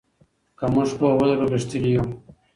که موږ پوهه ولرو غښتلي یو.